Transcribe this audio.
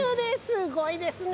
すごいですね！